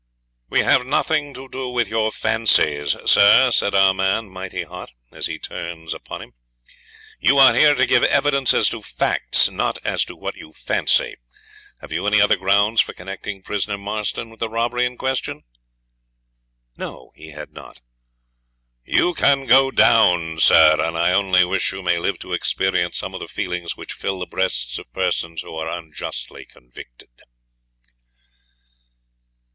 'We have nothing to do with your fancies, sir,' says our man, mighty hot, as he turns upon him; 'you are here to give evidence as to facts, not as to what you fancy. Have you any other grounds for connecting prisoner Marston with the robbery in question?' 'No, he had not.' 'You can go down, sir, and I only wish you may live to experience some of the feelings which fill the breasts of persons who are unjustly convicted.'